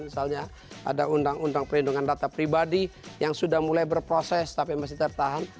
misalnya ada undang undang perlindungan data pribadi yang sudah mulai berproses tapi masih tertahan